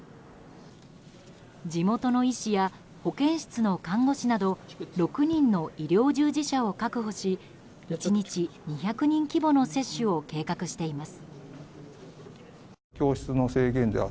地元の医師や保健室の看護師など６人の医療従事者を確保し１日２００人規模の接種を計画しています。